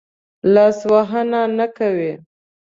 لاس وهنه نه کوي.